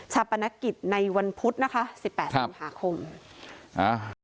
ชาปนกิจในวันพุธนะคะสิบแปดสามหาคมครับ